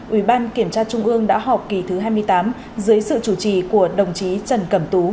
ủy ban kiểm tra trung ương đã họp kỳ thứ hai mươi tám dưới sự chủ trì của đồng chí trần cẩm tú